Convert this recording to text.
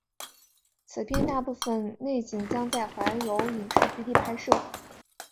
此片大部分内景将在怀柔影视基地拍摄。